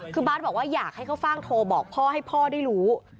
คือบาทบอกว่าอยากให้ข้าวฟ่างโทรบอกพ่อให้พ่อได้รู้